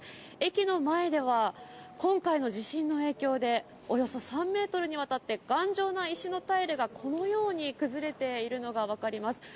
駅の前では今回の地震の影響で、およそ３メートルにわたって頑丈な石のタイルがこのように崩れているのがわかります。